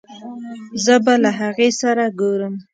زه به له هغې سره ګورم